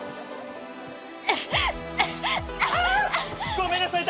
ごめんなさい！